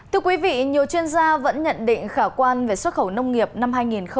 thưa quý vị nhiều chuyên gia vẫn nhận định khả quan về xuất khẩu nông nghiệp năm hai nghìn một mươi chín